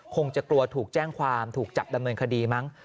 คงจะกลัวถูกแจ้งความถูกจับดำเนินคดีมั้ง